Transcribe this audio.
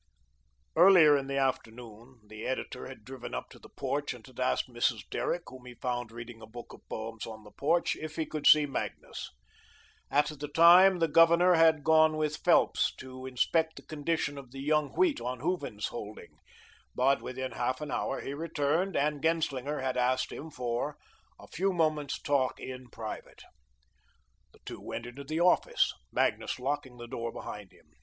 Earlier in the afternoon, the editor had driven up to the porch and had asked Mrs. Derrick, whom he found reading a book of poems on the porch, if he could see Magnus. At the time, the Governor had gone with Phelps to inspect the condition of the young wheat on Hooven's holding, but within half an hour he returned, and Genslinger had asked him for a "few moments' talk in private." The two went into the "office," Magnus locking the door behind him.